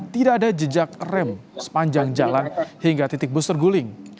tidak ada jejak rem sepanjang jalan hingga titik bus terguling